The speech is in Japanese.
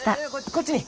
こっちに。